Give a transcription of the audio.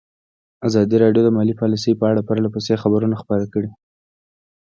ازادي راډیو د مالي پالیسي په اړه پرله پسې خبرونه خپاره کړي.